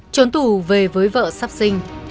trốn tù về với vợ sắp sinh